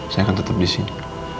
saya akan tetep disini